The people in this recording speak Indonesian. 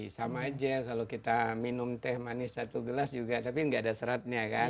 sama aja kalau kita minum teh manis satu gelas juga tapi nggak ada seratnya kan